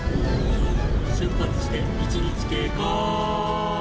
「出発して１日経過」